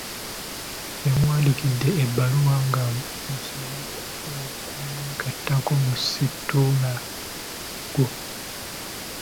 Yamuwandiikidde ebbaluwa ng'amusaba okumwegattako mu situlago.